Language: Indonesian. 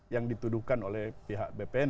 yang dituduhkan oleh pihak bpn